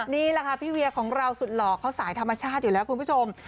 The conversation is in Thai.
นี่แหละค่ะพี่เวียของเราสุดหล่อเขาสายธรรมชาติอยู่แล้วคุณผู้ชม